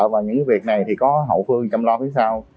và những việc này thì có hậu phương chăm lo phía sau